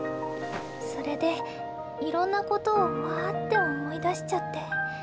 それでいろんな事をわって思い出しちゃって。